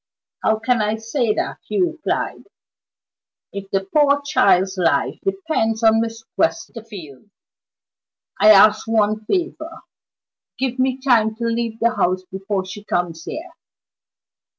"How can I say that," he replied, "if the poor child's life depends on Miss Westerfield? I ask one favor give me time to leave the house before she comes here."